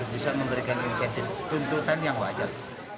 bisa memberikan insentif tuntutan yang wajar